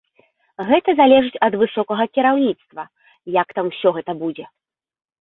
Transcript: Гэта залежыць ад высокага кіраўніцтва, як там усё гэта будзе.